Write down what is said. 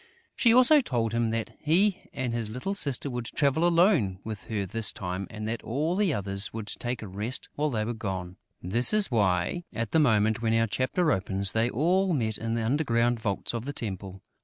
She also told him that he and his little sister would travel alone with her this time and that all the others would take a rest while they were gone. That is why, at the moment when our chapter opens, they had all met in the underground vaults of the temple.